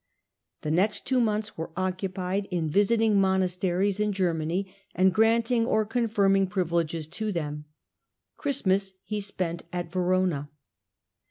The next two months were occupied in visiting monasteries in Germany, and granting or confirming privileges to them. Christmas he spent at Verona.